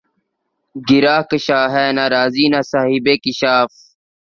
گرہ کشا ہے نہ رازیؔ نہ صاحب کشافؔ